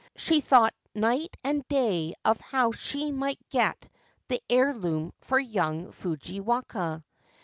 She thought night and day of how she might get the heirloom for young Fujiwaka.